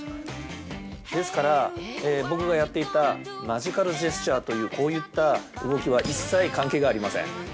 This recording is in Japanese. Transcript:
ですから、僕がやっていたマジカルジェスチャーというこういった動きは、一切関係がありません。